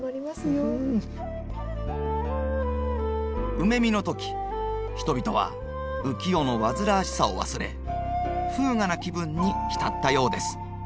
梅見の時人々は浮世の煩わしさを忘れ風雅な気分に浸ったようです。